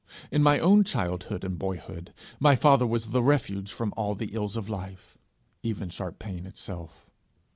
In my own childhood and boyhood my father was the refuge from all the ills of life, even sharp pain itself.